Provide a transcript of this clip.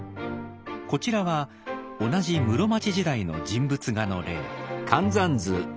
こちらは同じ室町時代の人物画の例。